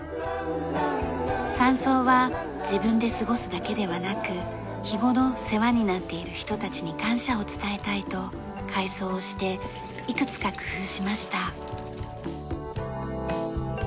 山荘は自分で過ごすだけではなく日頃世話になっている人たちに感謝を伝えたいと改装をしていくつか工夫しました。